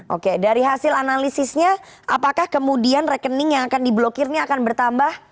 oke dari hasil analisisnya apakah kemudian rekening yang akan diblokir ini akan bertambah